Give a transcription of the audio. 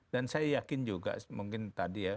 dan saya yakin juga mungkin tadi ya